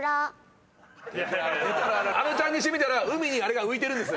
あのちゃんにしてみたら海にあれが浮いてるんです。